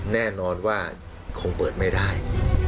แน่นอนว่าคงเปิดไม่ได้